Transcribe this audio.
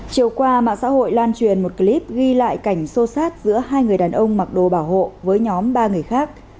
chiều qua mạng xã hội lan truyền một clip ghi lại cảnh sô sát giữa hai người đàn ông mặc đồ bảo hộ với nhóm ba người khác